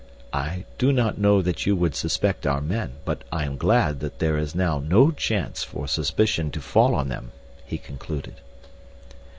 I do not know that you would suspect our men, but I am glad that there is now no chance for suspicion to fall on them," he concluded.